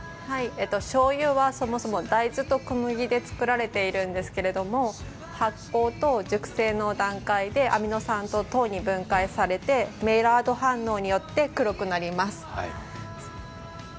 しょうゆはそもそも大豆と小麦で造られているんですけれども、発酵と熟成の段階でアミノ酸と糖に分解されてメラード反応によって黒くなります。